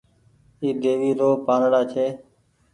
اي ديوي رو پآنڙآ ڇي۔